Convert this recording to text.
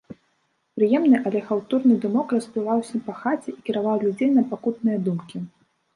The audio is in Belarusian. Прыемны, але хаўтурны дымок расплываўся па хаце і кіраваў людзей на пакутныя думкі.